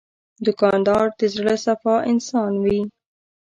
دوکاندار د زړه صفا انسان وي.